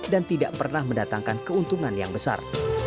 dan tidak pernah mendatangkan keuntungan yang besar